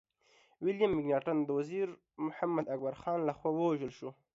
ويليم مکناټن د وزير محمد اکبر خان لخوا ووژل شو.